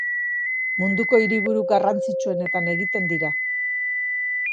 Munduko hiriburu garrantzitsuenetan egiten dira.